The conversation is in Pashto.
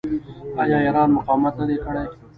آیا ایران مقاومت نه دی کړی؟